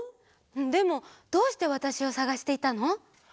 でもどうしてわたしをさがしていたの？